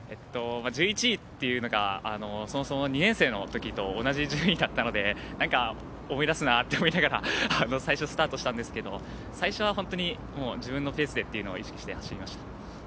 １１位というのがそもそも２年生の時と同じ順位だったので思い出すなと思いながらスタートしたんですけれど、最初は本当に自分のペースを意識して走りました。